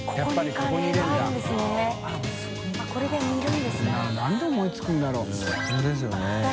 こんなのなんで思いつくんだろう岩）